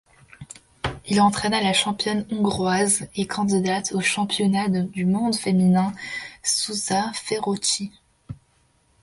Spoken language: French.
Il entraîna la championne hongroise et candidate au championnat du monde féminin Zsuzsa Verőci.